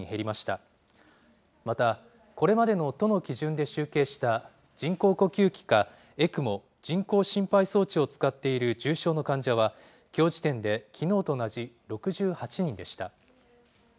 またこれまでの都の基準で集計した人工呼吸器か、ＥＣＭＯ・人工心肺装置を使っている重症の患者は、きょう時点できのうと同じ６８人でした。